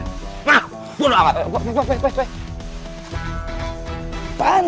nah bunuh alat